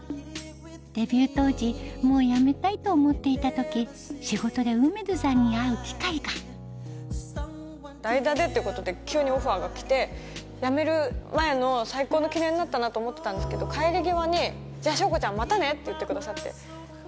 デビュー当時もう辞めたいと思っていた時仕事で楳図さんに会う機会が代打でっていうことで急にオファーが来て辞める前の最高の記念になったなと思ってたんですけど帰り際に「じゃあ翔子ちゃんまたね！」って言ってくださって。